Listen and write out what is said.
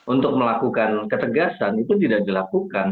untuk melakukan ketegasan itu tidak dilakukan